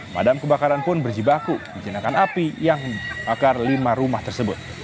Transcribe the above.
padam kebakaran pun berjibaku menjenakan api yang membakar lima rumah tersebut